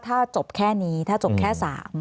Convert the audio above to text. ถ้าจบแค่นี้ถ้าจบแค่๓